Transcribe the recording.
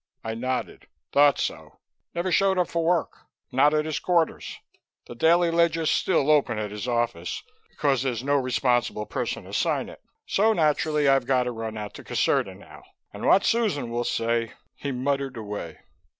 I nodded. "Thought so. Never showed up for work. Not at his quarters. The daily ledger's still open at his office, because there's no responsible person to sign it. So naturally I've got to run out to Caserta now, and what Susan will say " He muttered away.